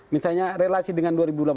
misalnya relasi dengan pemerintah